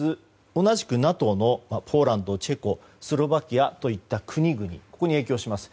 同じくＮＡＴＯのポーランドチェコ、スロバキアといった国々ここに影響します。